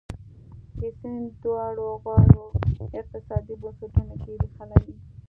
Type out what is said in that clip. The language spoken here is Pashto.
د سیند دواړو غاړو اقتصادي بنسټونو کې ریښه لري.